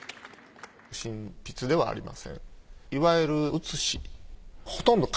真筆ではありません。